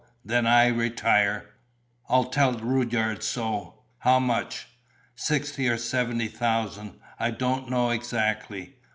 "... then I retire.... I'll tell Rudyard so.... How much?" "Sixty or seventy thousand: I don't know exactly."